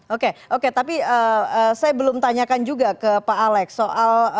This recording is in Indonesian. oke oke tapi saya belum tanyakan juga ke pak alex soal